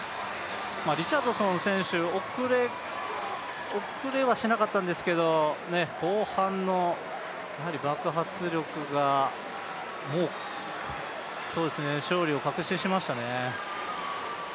リチャードソン選手、遅れはしなかったんですけど、後半の爆発力が、もう勝利を確信しましたね。